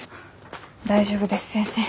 大丈夫です先生。